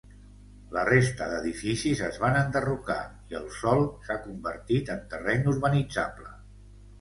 La resta d'edificis es van enderrocar i el sòl s'ha convertit en terreny urbanitzable.